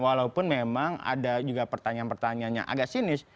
walaupun memang ada juga pertanyaan pertanyaan yang agak sinis